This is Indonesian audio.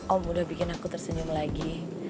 om udah bikin aku tersenyum lagi